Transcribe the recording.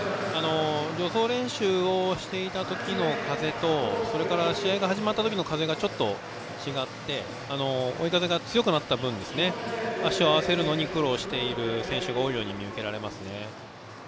助走練習をしていた時の風とそれから、試合が始まった時の風がちょっと違って追い風が強くなった分足を合わせるのに苦労している選手が多いように見受けられます。